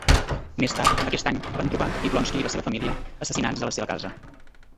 Més tard aquest any, van trobar Yablonski i la seva família assassinats a la seva casa.